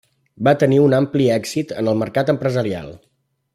Va tenir un ampli èxit en el mercat empresarial.